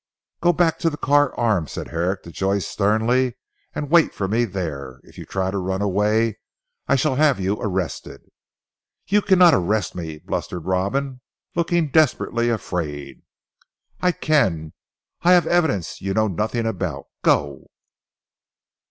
"Go back to the Carr Arms," said Herrick to Joyce sternly, "and wait for me there. If you try to run away, I shall have you arrested." "You cannot arrest me," blustered Robin looking desperately afraid. "I can. I have evidence you know nothing about. Go!"